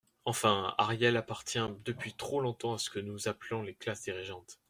Enfin, Ariel appartient depuis trop longtemps à ce que nous appelons les classes dirigeantes.